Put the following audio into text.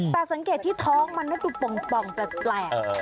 แต่สังเกตที่ท้องมันดูป่องแปลก